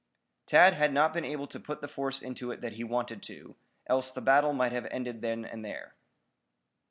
Tad had not been able to put the force into it that he wanted to, else the battle might have ended then and there.